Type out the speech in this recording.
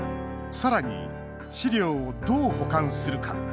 さらに、資料をどう保管するか。